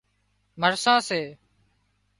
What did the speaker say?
مرسان سي